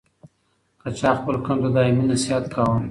که چا خپل قوم ته دايمي نصيحت کاوه